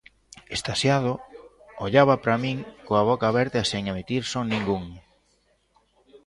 Extasiado, ollaba pra min coa boca aberta e sen emitir son ningún.